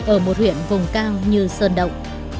ở một huyện vùng cao như sơn động